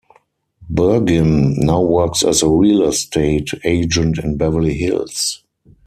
Bergin now works as a real estate agent in Beverly Hills.